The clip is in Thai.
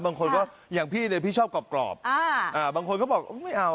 บางคนก็อย่างพี่เนี่ยพี่ชอบกรอบบางคนก็บอกไม่เอา